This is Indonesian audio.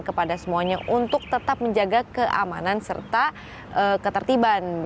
kepada semuanya untuk tetap menjaga keamanan serta ketertiban